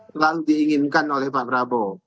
selalu diinginkan oleh pak prabowo